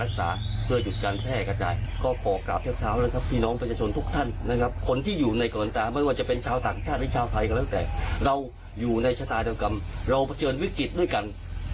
เราอยู่ในชะนายทางกรรมเราเจอวิกฤตด้วยกัน